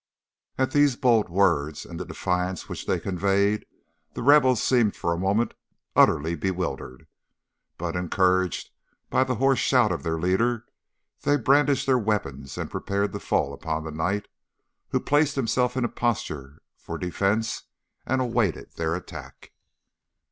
"At these bold words, and the defiance which they conveyed, the rebels seemed for a moment utterly bewildered; but, encouraged by the hoarse shout of their leader, they brandished their weapons and prepared to fall upon the knight, who placed himself in a posture for defence and awaited their attack.